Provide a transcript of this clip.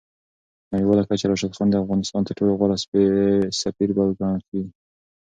په نړیواله کچه راشد خان د افغانستان تر ټولو غوره سفیر ګڼل کېږي.